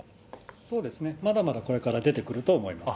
そうですね、まだまだこれから出てくると思います。